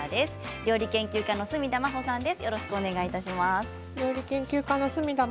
料理研究家の角田真秀です。